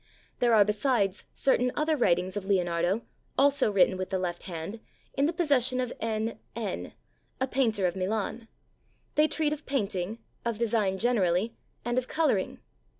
There are, besides, certain other writings of Leonardo, also written with the left hand, in the possession of N. N., a painter of Milan; they treat of painting, of design generally, and of coloring.